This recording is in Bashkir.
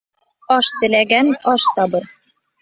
Аш теләгән аш табыр